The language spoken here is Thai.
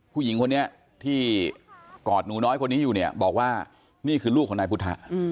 ผู้หญิงคนนี้ที่กอดหนูน้อยคนนี้อยู่เนี่ยบอกว่านี่คือลูกของนายพุทธะ